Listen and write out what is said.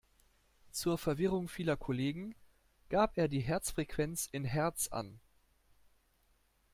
Zur Verwirrung vieler Kollegen, gab er die Herzfrequenz in Hertz an.